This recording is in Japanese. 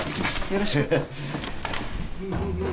よろしく。